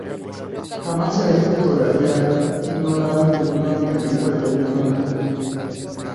Jamás se deja fotografiar y no da ninguna entrevista directamente.